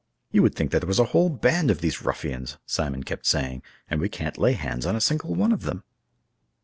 "You would think that there was a whole band of these ruffians," Simon kept saying, "and we can't lay hands on a single one of them."